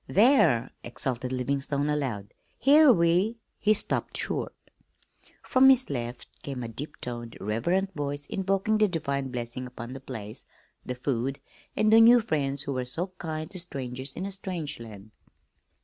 "There!" exulted Livingstone aloud. "Here we " He stopped short. From his left came a deep toned, reverent voice invoking the divine blessing upon the place, the food, and the new friends who were so kind to strangers in a strange land.